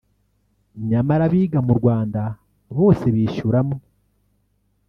nyamara abiga mu Rwanda bose bishyura amwe